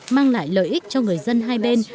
mang lại lợi ích cho người dân hai bên